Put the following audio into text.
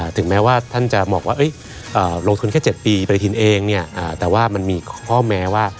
ถึงแม้ว่าท่านจะบอกว่าลงทุนแค่๗ปีปฏิทินเองแต่ว่ามันมีข้อแม้ว่า